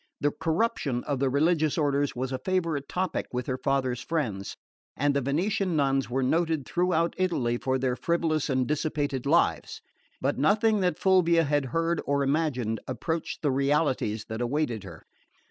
The corruption of the religious orders was a favourite topic with her father's friends, and the Venetian nuns were noted throughout Italy for their frivolous and dissipated lives; but nothing that Fulvia had heard or imagined approached the realities that awaited her.